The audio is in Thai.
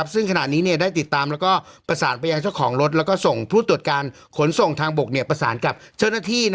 ซึ่งขณะนี้ได้ติดตามแล้วก็ประสานไปยังเจ้าของรถแล้วก็ส่งผู้ตรวจการขนส่งทางบกประสานกับเจ้าหน้าที่